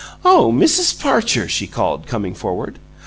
"Oh, Mrs. Parcher!" she called, coming forward.